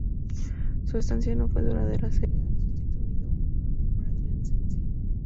Su estancia no fue duradera, sería sustituido por Adrián Cenci.